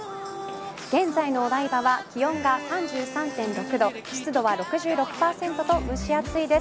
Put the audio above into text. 現在のお台場は気温が３３．６度湿度は６６％と蒸し暑いです。